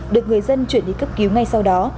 được người dân chuyển đi cấp cứu ngay sau đó